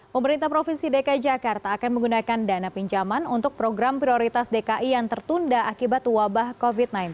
pemerintah provinsi dki jakarta akan menggunakan dana pinjaman untuk program prioritas dki yang tertunda akibat wabah covid sembilan belas